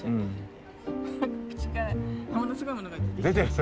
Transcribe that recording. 口からものすごいものが出てる。